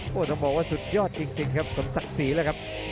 โอ้โหต้องบอกว่าสุดยอดจริงครับสมศักดิ์ศรีแล้วครับ